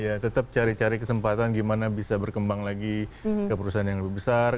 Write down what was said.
ya tetap cari cari kesempatan gimana bisa berkembang lagi ke perusahaan yang lebih besar